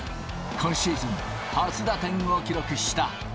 今シーズン初打点を記録した。